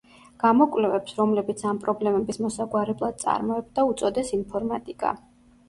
გამოკვლევებს, რომლებიც ამ პრობლემების მოსაგვარებლად წარმოებდა, უწოდეს ინფორმატიკა.